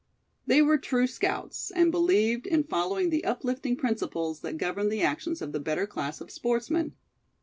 They were true scouts, and believed in following the uplifting principles that govern the actions of the better class of sportsmen.